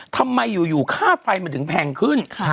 ทำไมอยู่ค่าไฟมันถึงแพงขึ้น